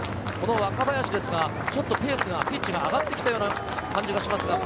この若林ですが、ちょっとペースが、ピッチが上がってきたような感じがします。